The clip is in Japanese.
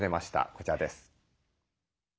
こちらです。